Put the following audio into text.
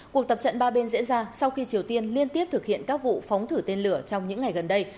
cuộc tập trận ba bên diễn ra sau khi triều tiên liên tiếp thực hiện các vụ phóng thử tên lửa trong những ngày gần đây